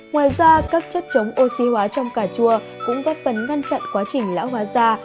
ngoài ra các chất chống oxy hóa trong cà chua cũng góp phần ngăn chặn quá trình lão hóa da